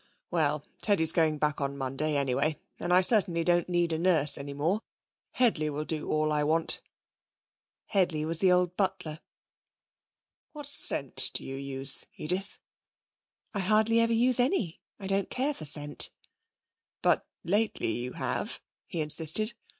'Well, Teddy's going back on Monday anyway, and I certainly don't need a nurse any more. Headley will do all I want.' Headley was the old butler. 'What scent do you use, Edith?' 'I hardly ever use any. I don't care for scent.' 'But lately you have,' he insisted.